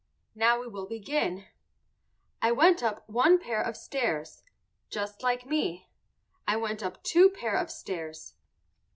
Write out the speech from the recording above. Now we will begin. I went up one pair of stairs. Just like me. I went up two pair of stairs.